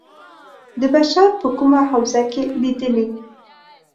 د بشر په کومه حوزه کې لېدلي.